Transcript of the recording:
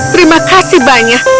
terima kasih banyak